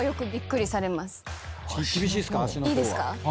いいですか。